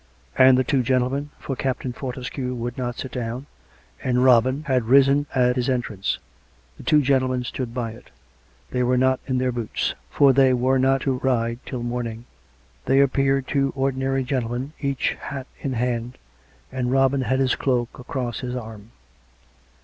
And the two gentlemen — for Cap tain Fortescue would not sit down, and Robin had risen at his entrance — the two gentlemen stood by it. They were not in their boots, for they were not to ride till morning; they appeared two ordinary gentlemen, each hat in hand, and Robin had his cloak across his arm.